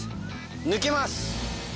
抜けます。